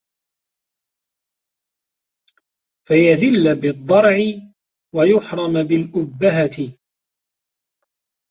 فَيَذِلَّ بِالضَّرَعِ وَيُحْرَمَ بِالْأُبَّهَةِ